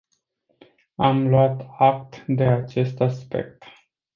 Am luat act de acest aspect.